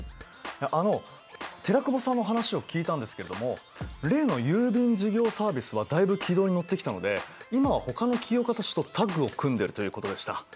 あの寺久保さんの話を聞いたんですけども例の郵便事業サービスはだいぶ軌道に乗ってきたので今はほかの起業家たちとタッグを組んでるということでした。